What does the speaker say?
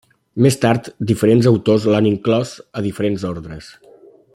Més tard, diferents autors l'han inclòs a diferents ordres.